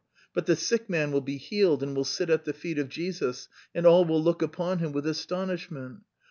But the sick man will be healed and 'will sit at the feet of Jesus,' and all will look upon him with astonishment....